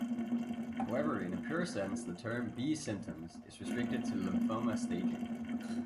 However, in a pure sense, the term "B symptoms" is restricted to lymphoma staging.